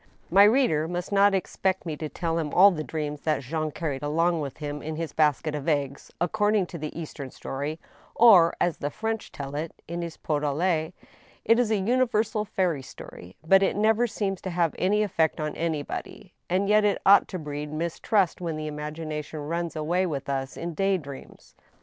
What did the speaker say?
... My reader must not expect me to tell him all the dreams that Jean carried along with him in his basket of eggs, according to the Eastern story, or, as the French tell it, in his pot au latt It is a universal fairy story, but it never seems to have any effect on any body, and yet it ought to breed mistrust when the imagination runs away with us in day dreams.